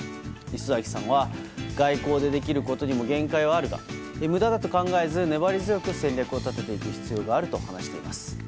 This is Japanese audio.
礒崎さんは外交でできることにも限界はあるが、無駄だと考えず粘り強く戦略を立てていく必要があると話しています。